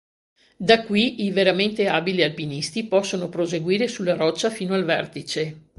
Da qui i veramente abili alpinisti possono proseguire sulla roccia fino al vertice.